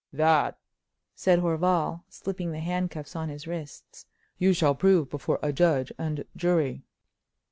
"That," said Horval, slipping the handcuffs on his wrists, "you shall prove before a judge and jury."